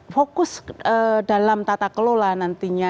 fokus dalam tata kelola nantinya